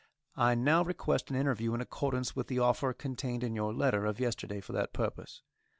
I now request an interview in accordance with the offer contained in your letter of yesterday for that purpose.